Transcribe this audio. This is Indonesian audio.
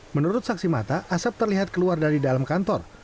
menurut saksi mata asap terlihat keluar dari dalam kantor